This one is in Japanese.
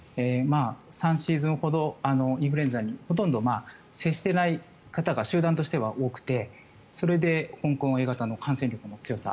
３シーズンほどインフルエンザにほとんど接していない方が集団としては多くてそれで香港Ａ型の感染力の強さ。